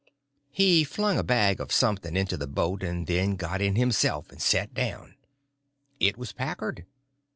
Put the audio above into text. He flung a bag of something into the boat, and then got in himself and set down. It was Packard.